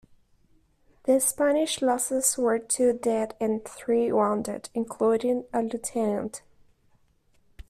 The Spanish losses were two dead and three wounded, including a lieutenant.